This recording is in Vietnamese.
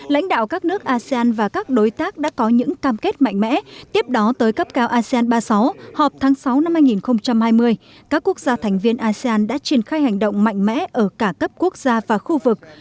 lãnh đạo các nước asean và các đối tác đã có những cam kết mạnh mẽ tiếp đó tới cấp cao asean ba mươi sáu họp tháng sáu năm hai nghìn hai mươi các quốc gia thành viên asean đã triển khai hành động mạnh mẽ ở cả cấp quốc gia và khu vực